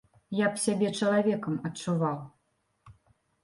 Я б сябе чалавекам адчуваў.